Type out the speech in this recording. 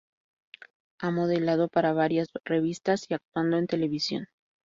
Ha modelado para varias revistas y actuado en televisión.